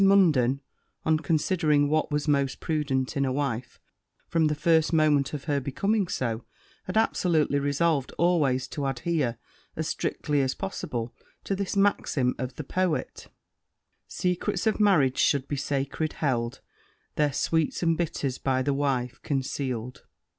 Munden, on considering what was most prudent in a wife, from the first moment of her becoming so, had absolutely resolved always to adhere, as strictly as possible, to this maxim of the poet 'Secrets of marriage should be sacred held, Their sweets and bitters by the wife conceal'd.'